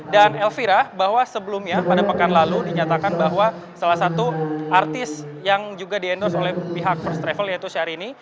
dan elvira bahwa sebelumnya pada pekan lalu dinyatakan bahwa salah satu artis yang juga di endorse oleh pihak first travel yaitu syahrini